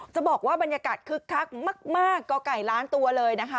จะบอกว่าบรรยากาศคึกคักมากก่อไก่ล้านตัวเลยนะคะ